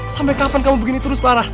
sampai kapan kamu begini terus parah